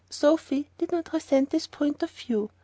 Sophy did not resent this point of view.